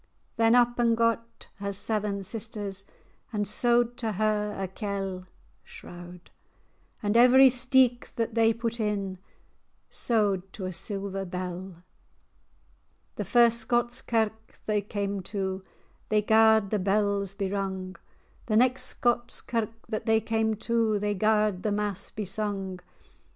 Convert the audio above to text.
[#] oak. Then up and gat her seven sisters, And sewed to her a kell,[#] And every steek[#] that they put in Sewed to a siller bell. [#] shroud. [#] stitch. The first Scots kirk that they cam to, They garred the bells be rung; The next Scots kirk that they cam to, They garred fhe mass be sung.